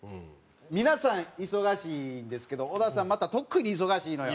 皆さん忙しいんですけど小田さんまた特に忙しいのよ。